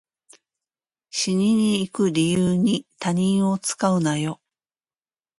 死にに行く理由に他人を使うなよ